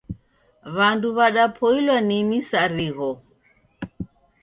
W'andu w'adapoilwa ni misarigho.